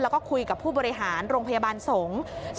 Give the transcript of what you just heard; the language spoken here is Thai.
แล้วก็คุยกับผู้บริหารโรงพยาบาลสงฆ์